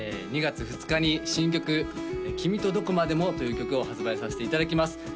２月２日に新曲「君とどこまでも」という曲を発売させていただきます